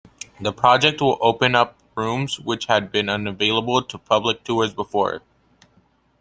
The project will open up rooms which had been unavailable to public tours before.